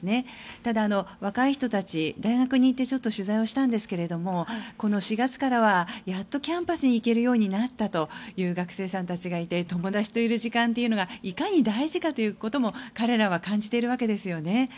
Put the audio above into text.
ただ、若い人たち大学に行って取材をしたんですがこの４月からはやっとキャンパスに行けるようになったという学生さんたちがいて友達といる時間というのがいかに大事かということも彼らは感じているわけですよね。